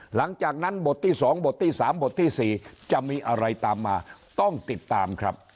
หลังจากนั้นบทที่๒บทที่๓บทที่๔จะมีอะไรตามมาต้องติดตามครับ